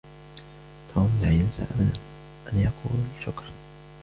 توم لا ينسى أبدا أن يقول شكرا.